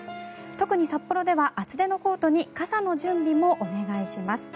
特に札幌では厚手のコートに傘の準備もお願いします。